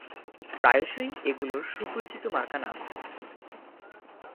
প্রায়শই এগুলির সুপরিচিত মার্কা-নাম থাকে।